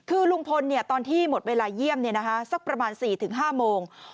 คือลุงพลตอนที่หมดเวลาเยี่ยมสักประมาณ๔๕โมง